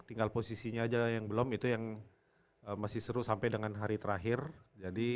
tinggal posisinya aja yang belum itu yang masih seru sampai dengan hari terakhir